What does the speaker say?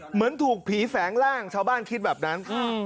เหมือนถูกผีแฝงร่างชาวบ้านคิดแบบนั้น